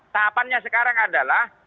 tahapannya sekarang adalah